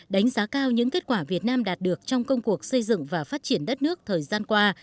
đánh giá cao những kết quả việt nam đạt được trong công cuộc xây dựng và phát triển đất nước thời gian qua